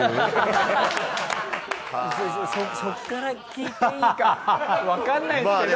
そこから聞いていいかわかんないんすけど。